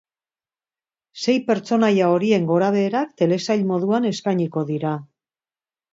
Sei pertsonaia horien gorabeherak telesail moduan eskainiko dira.